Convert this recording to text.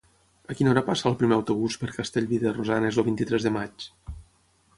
A quina hora passa el primer autobús per Castellví de Rosanes el vint-i-tres de maig?